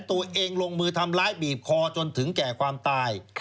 ตัวเองลงมือทำร้ายบีบคอจนถึงแก่ความตาย